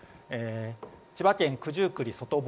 千葉県九十九里外房